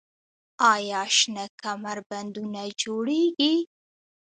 آیا شنه کمربندونه جوړیږي؟